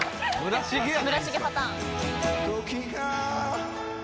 村重パターン。